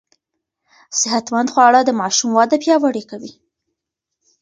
صحتمند خواړه د ماشوم وده پياوړې کوي.